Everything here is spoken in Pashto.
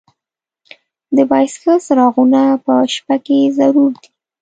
د بایسکل څراغونه په شپه کې ضرور دي.